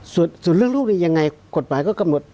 ส่วนเรื่องลูกนี้ยังไงกฎหมายก็กำหนด